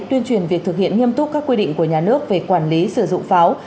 tuyên truyền việc thực hiện nghiêm túc các quy định của nhà nước về quản lý sử dụng pháo